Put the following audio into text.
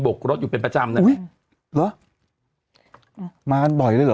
บ่อยเลยเหรอ